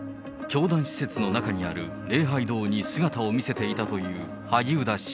教団施設の中にある礼拝堂に姿を見せていたという萩生田氏。